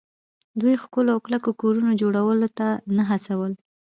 دوی ښکلو او کلکو کورونو جوړولو ته نه هڅول